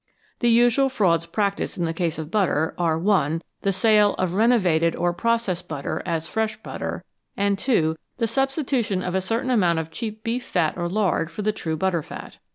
The usual frauds practised in the case of butter are (1) the sale of "renovated" or "process" butter as fresh butter, and (2) the substitution of a certain amount of cheap beef fat or lard for the true butter fat.